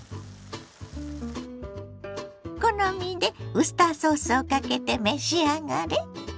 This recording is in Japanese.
好みでウスターソースをかけて召し上がれ。